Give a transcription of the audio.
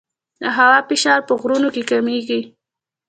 د هوا فشار په غرونو کې کمېږي.